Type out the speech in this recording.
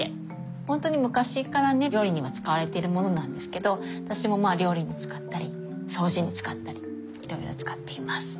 ほんとに昔からね料理には使われてるものなんですけど私も料理に使ったり掃除に使ったりいろいろ使っています。